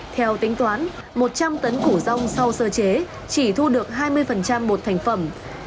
theo tính toán một trăm linh tấn củ rong sau sơ chế chỉ thu được hai mươi bột thành phẩm